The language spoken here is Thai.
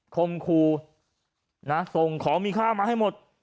คมครูส่งของมีค่ามาให้หมด